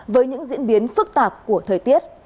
với những diễn biến phức tạp của thời tiết